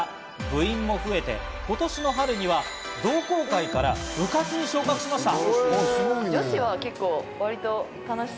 部員も増えて今年の春には同好会から部活に昇格しました。